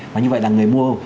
và như vậy là người mua